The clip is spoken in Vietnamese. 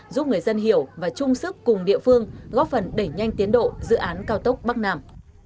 giúp người dân hiểu và chung sức cùng địa phương góp phần đẩy nhanh tiến độ dự án cao tốc bắc nam